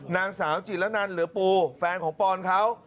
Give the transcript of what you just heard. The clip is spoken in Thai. นางสาวจิตระนันหรือปูแฟนของปอนเขา